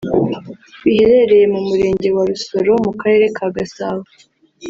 biherereye mu murenge wa Rusororo mu Karere ka Gasabo